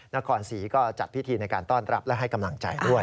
นครศรีก็จัดพิธีในการต้อนรับและให้กำลังใจด้วย